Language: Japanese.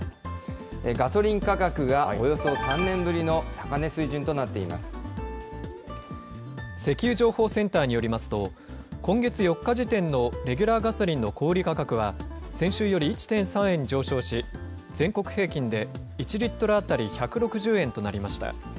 ガソリン価格がおよそ３年ぶりの石油情報センターによりますと、今月４日時点のレギュラーガソリンの小売り価格は、先週より１．３円上昇し、全国平均で１リットル当たり１６０円となりました。